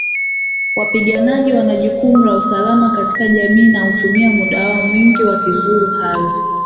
Wapiganaji wana jukumu la usalama katika jamii na hutumia muda wao mwingi wakizuru ardhi